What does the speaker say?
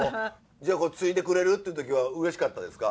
じゃあ継いでくれるって時はうれしかったですか？